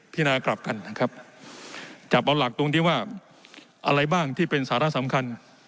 นากลับกันนะครับจับเอาหลักตรงที่ว่าอะไรบ้างที่เป็นสาระสำคัญ